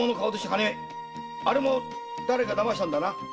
金あれもだれか騙したんだな？